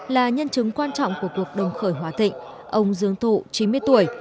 là nhân chứng quan trọng của cuộc đồng khởi hòa thịnh ông dương thụ chín mươi tuổi